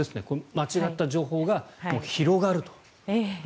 間違った情報が広がると。